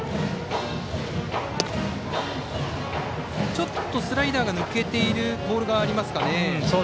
ちょっとスライダー抜けているボールがありますかね。